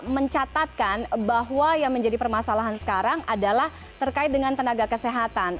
mencatatkan bahwa yang menjadi permasalahan sekarang adalah terkait dengan tenaga kesehatan